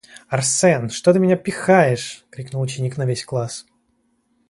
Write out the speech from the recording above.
"Арсен! Что ты меня пихаешь!?" - Крикнул ученик на весь класс.